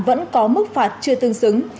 vẫn có mức phạt chưa tương xứng